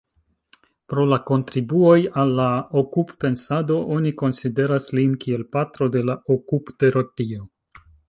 Pro la kontribuoj al la okup-pensado oni konsideras lin kiel patro de la okup-terapio.